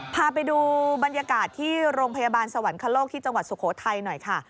พาไปดูบรรยากาศที่โรงพยาบาลสวรรคโลกที่จังหวัดสุโขทัยหน่อยค่ะ